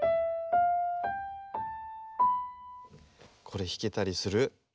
これひけたりする？